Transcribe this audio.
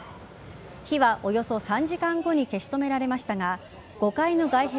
火はおよそ３時間後に消し止められましたが５階の外壁